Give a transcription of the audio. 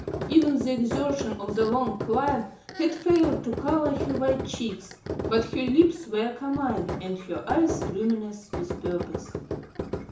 Even the exertion of the long climb had failed to color her white cheeks, but her lips were carmine and her eyes luminous with purpose.